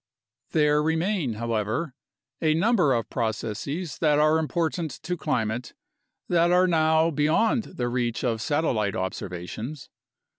There remain, however, a number of processes that are important to climate that are now beyond the reach of satellite observations.